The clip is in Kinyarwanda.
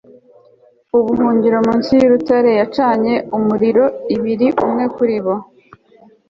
ubuhungiro munsi y'urutare, yacanye umuriro ibiri, umwe kuri bo